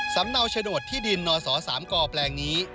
สำเนาเสนอดที่ดินณส๓กอแปรงนี้